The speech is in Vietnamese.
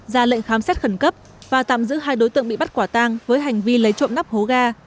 ra lệnh khám xét khẩn cấp và tạm giữ hai đối tượng bị bắt quả tang với hành vi lấy trộm nắp hố ga